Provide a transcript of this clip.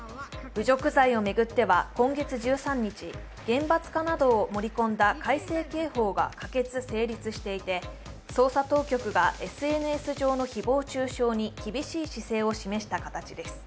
侮辱罪を巡っては今月１３日、厳罰化などを盛り込んだ改正刑法が可決・成立していて、捜査当局がＳＮＳ上の誹謗中傷に厳しい姿勢を示した形です。